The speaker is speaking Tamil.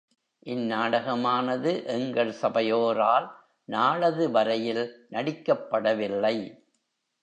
இந்நாடகமானது எங்கள் சபையோரால் நாளது வரையில் நடிக்கப்படவில்லை.